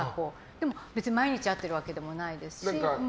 でも毎日会ってるわけでもないですし。